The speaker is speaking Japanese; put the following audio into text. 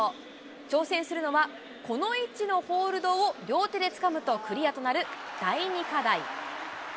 挑戦するのは、この位置のホールドを両手でつかむとクリアとなる第２課題。